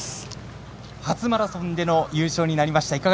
初マラソンでの優勝になりました。